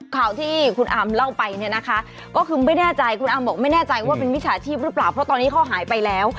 ค่าวที่อ๋อของคุณอำเล่าไปก็คือไม่แน่ใจบอกว่าเป็นมิตรฉาชีพหรือเปล่าเพราะตอนนี้เค้ายายไปแล้ว